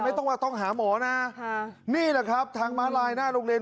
ไม่ต้องว่าต้องหาหมอนะนี่แหละครับทางม้าลายหน้าโรงเรียน